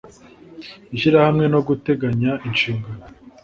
ishyirahamwe no guteganya inshingano